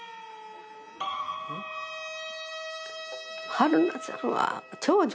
春菜さんは長女。